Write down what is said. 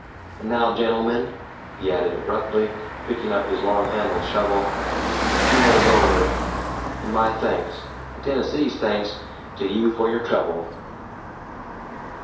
And now, gentlemen," he added, abruptly, picking up his long handled shovel, "the fun'l's over; and my thanks, and Tennessee's thanks, to you for your trouble."